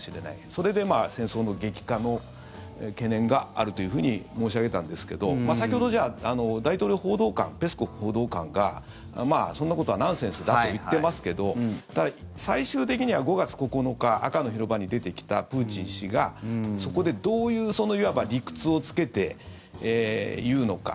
それで戦争の激化の懸念があると申し上げたんですけど先ほど、大統領報道官ペスコフ報道官がそんなことはナンセンスだと言ってますけど最終的には５月９日赤の広場に出てきたプーチン氏がそこで、どういういわば理屈をつけて言うのか。